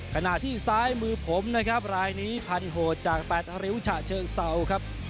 ขณะที่ซ้ายมือผมนะครับรายนี้พันโหดจาก๘ริ้วฉะเชิงเซาครับ